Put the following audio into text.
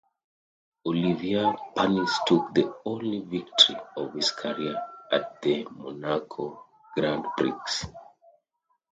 Olivier Panis took the only victory of his career at the Monaco Grand Prix.